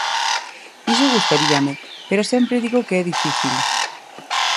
Iso gustaríame, pero sempre digo que é difícil.